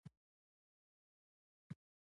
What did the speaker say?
د پیسو حرص د ډېرو ناخوالو سبب ګرځي.